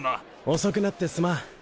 遅くなってすまん。